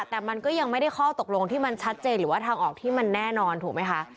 แต่มันก็ยังไม่ได้ข้อตกลงที่มันชัดเจนหรือว่าทางออกที่มันแน่นอนถูกไหมคะ